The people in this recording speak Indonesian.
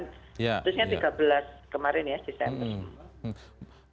khususnya tiga belas kemarin ya desember